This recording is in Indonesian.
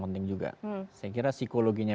penting juga saya kira psikologinya